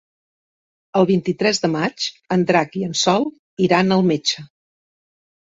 El vint-i-tres de maig en Drac i en Sol iran al metge.